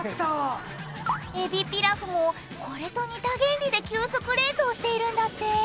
えびピラフもこれと似た原理で急速冷凍しているんだって！